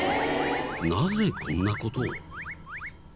なぜこんな事を？